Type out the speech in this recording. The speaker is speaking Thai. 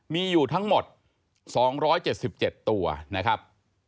มีอยู่ทั้งหมด๒๗๗ตัวนะครับ